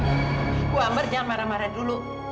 ibu amber jangan marah marah dulu